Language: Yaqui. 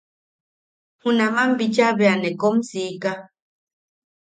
Junaman bicha bea ne kom siika.